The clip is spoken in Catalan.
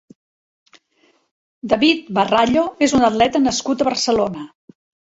David Barrallo és un atleta nascut a Barcelona.